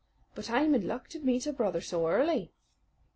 But I am in luck to meet a brother so early."